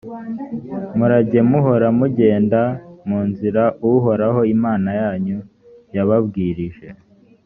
murajye muhora mugenda mu nzira uhoraho imana yanyu yababwirije,